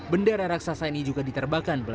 bendera raksasa ini juga diterbangkan